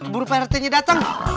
buru pak rt nya dateng